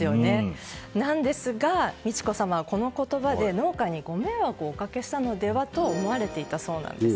なんですが美智子さまは、この言葉で農家にご迷惑をおかけしたのではと思われていたそうなんです。